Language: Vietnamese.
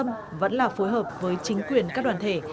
công an vẫn là phối hợp với chính quyền các đoàn thể